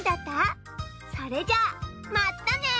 それじゃあまったね！